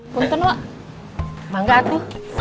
bentar wak bangga atu